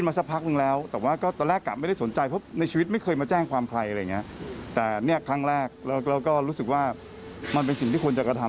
มีความมั่นใจขนาดว่ามีมืองคุณคนนี้